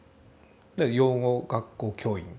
で養護学校教員。